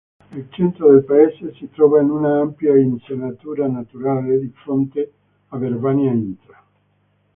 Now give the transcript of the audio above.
Il centro del paese si trova in un'ampia insenatura naturale, di fronte a Verbania-Intra.